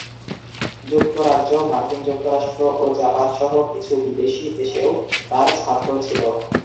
যুক্তরাজ্য, মার্কিন যুক্তরাষ্ট্র ও জাপান সহ কিছু বিদেশী দেশেও তার ছাত্র ছিল।